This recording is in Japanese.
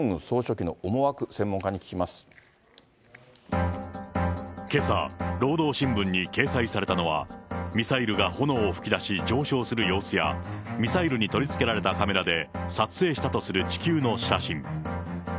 総書記の思惑、けさ、労働新聞に掲載されたのは、ミサイルが炎を噴き出し上昇する様子や、ミサイルに取り付けられたカメラで、撮影したとする地球の写真。